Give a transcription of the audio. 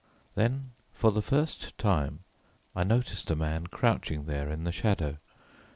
Then for the first time, I noticed a man crouching there in the shadow.